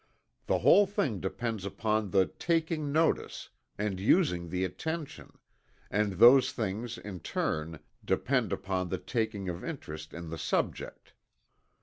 The whole thing depends upon the "taking notice" and using the attention, and those things in turn depend upon the taking of interest in the subject.